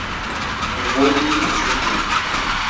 نومودی وجودی